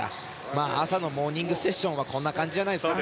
まあ朝のモーニングセッションはこんな感じじゃないですか。